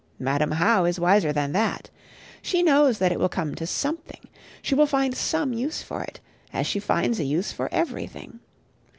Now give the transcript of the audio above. Madam How is wiser than that. She knows that it will come to something. She will find some use for it, as she finds a use for everything.